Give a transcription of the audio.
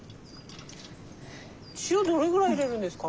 塩どれぐらい入れるんですか？